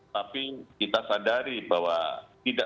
tapi kita sadari bahwa